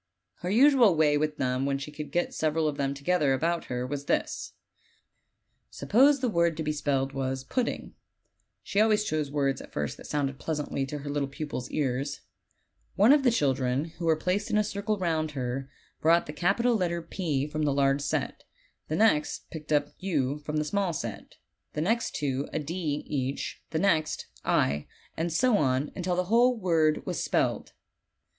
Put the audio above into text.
Her usual way with them when she could get several of them together about her was this: Suppose the word to be spelled was "Pudding" (she always chose words at first that sounded pleasantly to her little pupils' ears), one of the children, who were placed in a circle round her, brought the capital letter "P" from the large set; the next picked up "u" from the small set; the next two a "d" each; the next "i," and so on, until the whole word was spelled.